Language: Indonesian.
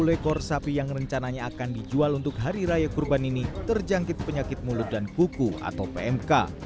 sepuluh ekor sapi yang rencananya akan dijual untuk hari raya kurban ini terjangkit penyakit mulut dan kuku atau pmk